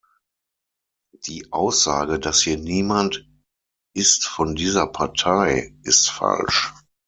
Die Aussage, dass hier niemand ist von dieser Partei, ist falsch.